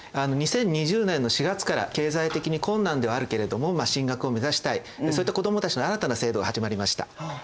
２０２０年の４月から経済的に困難ではあるけれども進学を目指したいそういった子どもたちの新たな制度が始まりました。